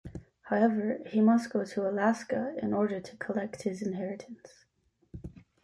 However, he must go to Alaska in order to collect his inheritance.